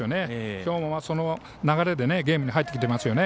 今日もその流れでゲームに入ってきてますよね。